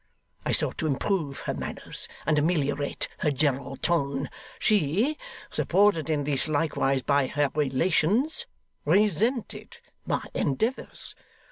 I sought to improve her manners and ameliorate her general tone; she (supported in this likewise by her relations) resented my endeavours.